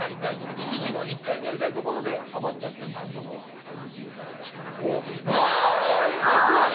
キスシーンとか１回でやりたいところではまっちゃって、何度もＮＧを。